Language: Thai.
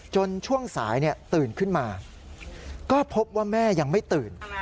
ช่วงสายตื่นขึ้นมาก็พบว่าแม่ยังไม่ตื่น